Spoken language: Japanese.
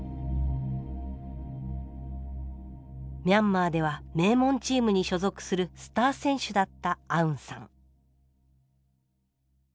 ミャンマーでは名門チームに所属するスター選手だったアウンさん。